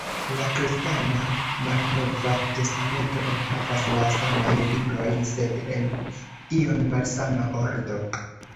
La kristana "Malnova Testamento" enhavas la samajn librojn, sed en iom malsama ordo.